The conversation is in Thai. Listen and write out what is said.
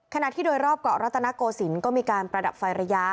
ขณะที่โดยรอบเกาะรัตนโกศิลป์ก็มีการประดับไฟระยะ